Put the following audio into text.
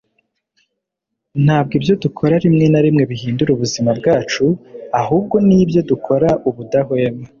ntabwo ibyo dukora rimwe na rimwe bihindura ubuzima bwacu, ahubwo ni ibyo dukora ubudahwema